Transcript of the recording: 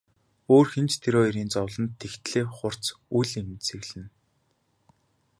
Өөр хэн ч тэр хоёрын зовлонд тэгтлээ хурц үл эмзэглэнэ.